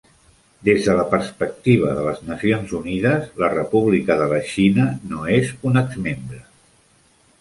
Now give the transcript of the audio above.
Des de la perspectiva de les Nacions Unides, la "República de la Xina" no és un exmembre.